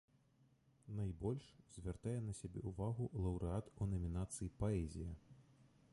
Найбольш звяртае на сябе ўвагу лаўрэат у намінацыі паэзія.